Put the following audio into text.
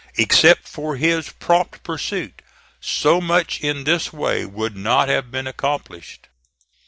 Except for his prompt pursuit, so much in this way would not have been accomplished.